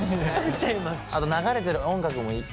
あと流れてる音楽もいい。